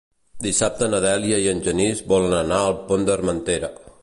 Dissabte na Dèlia i en Genís volen anar al Pont d'Armentera.